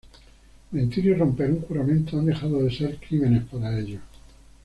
Mentir y romper un juramento han dejado de ser crímenes para ellos.